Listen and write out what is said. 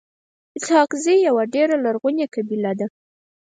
اسحق زی يوه ډيره لرغوني قبیله ده.